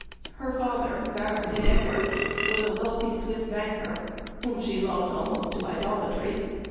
Her father, Baron de Necker, was a wealthy Swiss banker, whom she loved almost to idolatry.